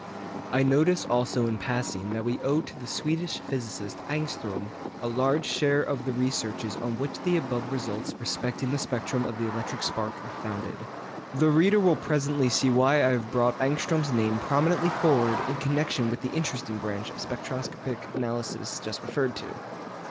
I notice also in passing that we owe to the Swedish physicist Ångström a large share of the researches on which the above results respecting the spectrum of the electric spark are founded. The reader will presently see why I have brought Ångström's name prominently forward in connection with the interesting branch of spectroscopic analysis just referred to.